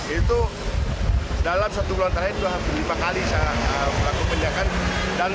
itu dalam satu bulan terakhir dua puluh lima kali saya melakukan penyelenggaraan